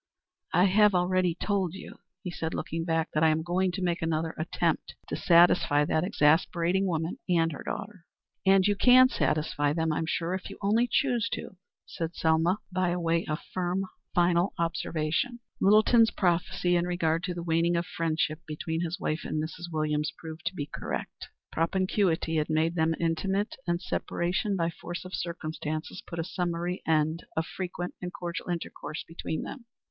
"I have already told you," he said, looking back, "that I am going to make another attempt to satisfy that exasperating woman and her daughter." "And you can satisfy them, I'm sure, if you only choose to," said Selma, by way of a firm, final observation. Littleton's prophecy in regard to the waning of friendship between his wife and Mrs. Williams proved to be correct. Propinquity had made them intimate, and separation by force of circumstances put a summary end to frequent and cordial intercourse between them.